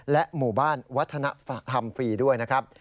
หมู่บ้านวัฒนธรรมฟรีด้วยนะครับ